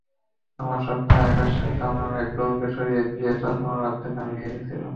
আমার স্বপ্নের আকাশে জমা মেঘগুলোকে সরিয়ে দিয়ে জ্যোৎস্না রাতের চাঁদ নামিয়ে এনেছিল।